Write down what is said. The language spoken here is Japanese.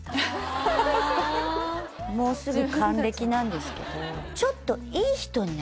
もうすぐ還暦なんですけどああ